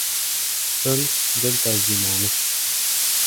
• Til — dil tarjimoni.